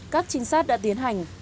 các trinh sát đã tiến hành